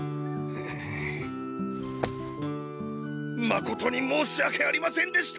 まことにもうしわけありませんでした！